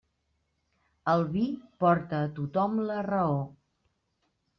El vi porta a tothom la raó.